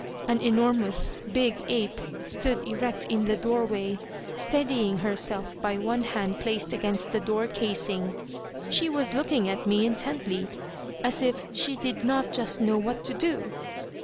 An enormous big ape stood erect in the doorway, steadying herself by one hand placed against the door casing. She was looking at me intently, as if she did not just know what to do.